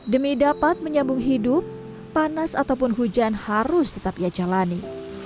demi dapat menyambung hidup panas ataupun hujan harus tetap ia jalani